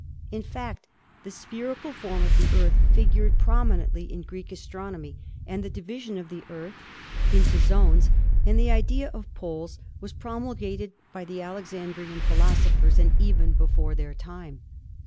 In fact, the spherical form of the Earth figured prominently in Greek astronomy, and the division of the Earth into zones and the idea of poles was promulgated by the Alexandrian philosophers and even before their time.